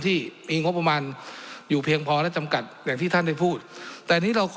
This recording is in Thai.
ที่มีงบประมาณอยู่เพียงพอและจำกัดอย่างที่ท่านได้พูดแต่นี้เราขอ